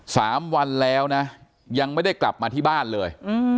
สามวันแล้วนะยังไม่ได้กลับมาที่บ้านเลยอืม